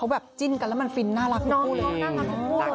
แบบจิ้นกันแล้วมันฟินน่ารักทุกผู้เลย